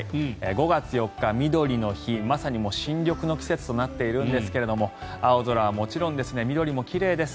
５月４日、みどりの日まさに新緑の季節となっているんですけれども青空はもちろん、緑も奇麗です。